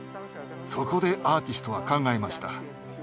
そこでアーティストは考えました。